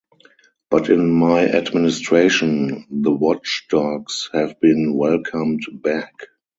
But in my administration, the watchdogs have been welcomed back.